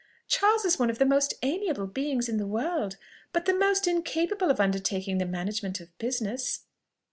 "Charles is one of the most amiable beings in the world, but the most incapable of undertaking the management of business."